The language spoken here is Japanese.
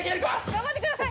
頑張ってください。